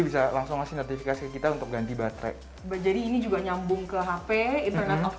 bisa langsung ngasih notifikasi kita untuk ganti baterai jadi ini juga nyambung ke hp internet of